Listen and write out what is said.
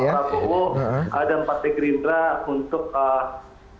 ini kan bukti bahwa ada partai gerindra untuk berkomitmen dalam penegakan bkp